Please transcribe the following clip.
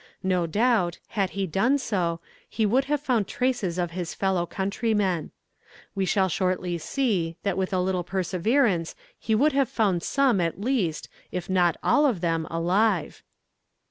No doubt, had he done so, he would have found traces of his fellow countrymen. We shall shortly see, that with a little perseverance he would have found some at least, if not all of them alive.